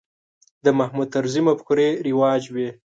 د محمود طرزي مفکورې رواج وې.